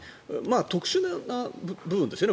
特殊な部分ですよね。